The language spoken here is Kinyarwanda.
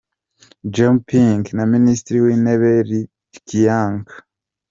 Jinping na Minisitiri w’Intebe, Li Keqiang.